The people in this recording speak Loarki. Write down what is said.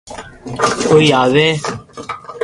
ڪوئي آوي